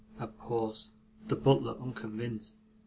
(A pause the butler unconvinced.)